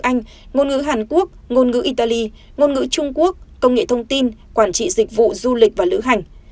anh ngôn ngữ hàn quốc ngôn ngữ italy ngôn ngữ trung quốc công nghệ thông tin quản trị dịch vụ du lịch và lữ hành